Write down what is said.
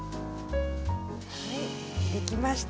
はい出来ました。